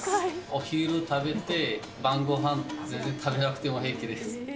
お昼食べて、晩ごはん全然食べなくても平気です。